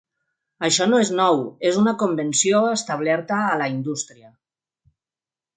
Això no és nou, és una convenció establerta a la indústria.